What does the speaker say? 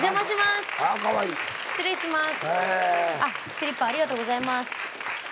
スリッパありがとうございます。